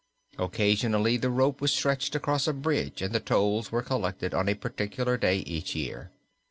Occasionally the rope was stretched across a bridge and the tolls were collected on a particular day each year.